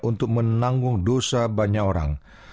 untuk menanggung dosa banyak orang